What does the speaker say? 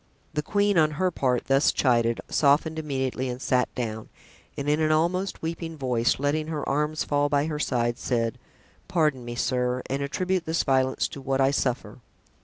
The queen, on her part, thus chided, softened immediately and sat down, and in an almost weeping voice, letting her arms fall by her side, said: "Pardon me, sir, and attribute this violence to what I suffer.